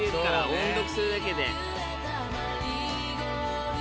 音読するだけで。